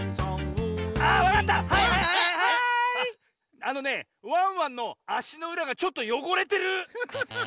あのねワンワンのあしのうらがちょっとよごれてる。